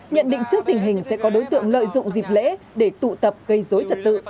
nhận định trước tình hình sẽ có đối tượng lợi dụng dịp lễ để tụ tập gây dối trật tự